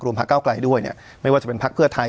พักเก้าไกลด้วยเนี่ยไม่ว่าจะเป็นพักเพื่อไทย